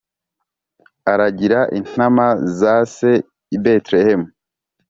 aragira intama za se i Betelehemu.